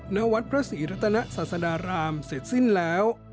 ณวัดพระศรีรัตนศาสดารามเสร็จสิ้นแล้ว